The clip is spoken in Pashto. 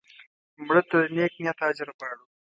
مړه ته د نیک نیت اجر غواړو